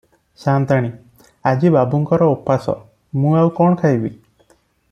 ସା’ନ୍ତାଣୀ – ଆଜି ବାବୁଙ୍କର ଓପାସ, ମୁଁ ଆଉ କ’ଣ ଖାଇବି?